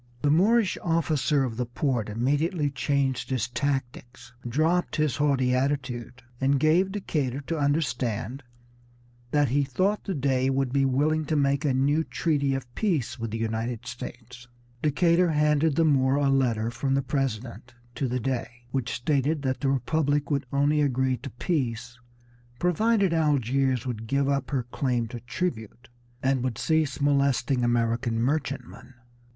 The Moorish officer of the port immediately changed his tactics, dropped his haughty attitude, and gave Decatur to understand that he thought the Dey would be willing to make a new treaty of peace with the United States. Decatur handed the Moor a letter from the President to the Dey, which stated that the Republic would only agree to peace provided Algiers would give up her claim to tribute and would cease molesting American merchantmen.